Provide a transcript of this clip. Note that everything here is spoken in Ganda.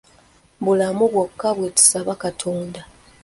Bulamu bwokka bwe tusaba katonda.